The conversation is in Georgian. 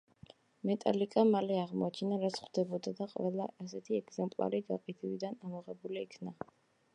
მეტალიკამ მალე აღმოაჩინა, რაც ხდებოდა, და ყველა ასეთი ეგზემპლარი გაყიდვიდან ამოღებული იქნა.